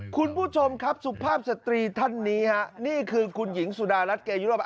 คุณผู้ชมครับสุภาพสตรีท่านนี้ฮะนี่คือคุณหญิงสุดารัฐเกยุโรป